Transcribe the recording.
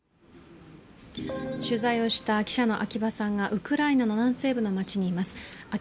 取材をした記者の秋場さんがウクライナの南西部の町にいます。